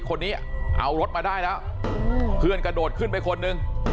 คนนี้เอารถมาได้แล้วเพื่อนกระโดดขึ้นไปคนนึง